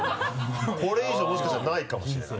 これ以上もしかしたらないかもしれない。